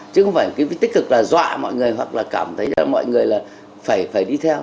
chứ không phải tích cực là dọa mọi người hoặc là cảm thấy mọi người phải đi theo